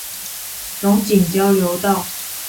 龍井交流道